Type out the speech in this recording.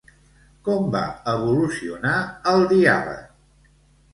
Com va evolucionar el diàleg?